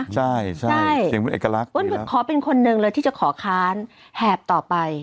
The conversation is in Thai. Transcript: ใช่เสียงเป็นเอกลักษณ์ขอเป็นคนหนึ่งเลยที่จะขอค้านแหบต่อไป